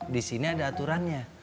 di sini ada aturannya